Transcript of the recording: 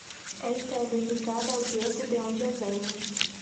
Esta é dedicada ao gueto de onde eu venho.